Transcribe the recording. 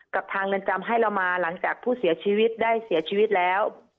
ทางเรือนจำให้เรามาหลังจากผู้เสียชีวิตได้เสียชีวิตแล้ว